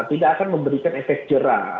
tidak akan memberikan efek jerah